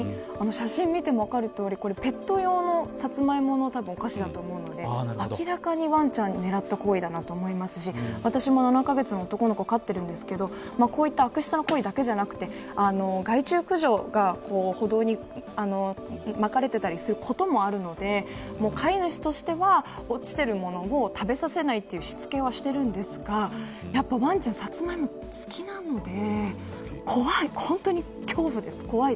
写真を見ても分かるとおりペット用のサツマイモのお菓子だと思うので明らかにワンちゃんを狙った行為だなと思いますし私も７カ月の男の子を飼っているんですが、こういった悪質な行為だけではなく害虫駆除が歩道にまかれていたりすることもあるので飼い主としては落ちているものを食べさせないというしつけはしているんですがわんちゃんサツマイモが好きなので本当に恐怖です。